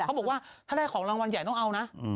เขาบอกว่าถ้าได้ของรางวัลใหญ่ต้องเอานะ